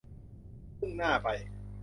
มุ่งหน้าไป